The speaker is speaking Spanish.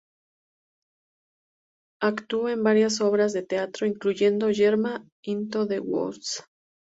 Actuó en varias obras de teatro, incluyendo "Yerma" e "Into the Woods".